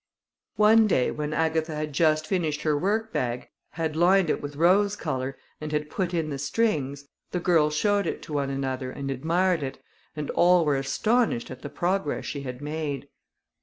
One day when Agatha had just finished her work bag, had lined it with rose colour, and had put in the strings, the girls showed it to one another, and admired it, and all were astonished at the progress she had made.